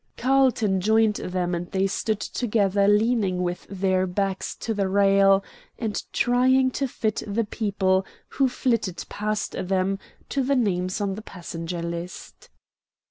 Carlton joined them, and they stood together leaning with their backs to the rail, and trying to fit the people who flitted past them to the names on the passenger list.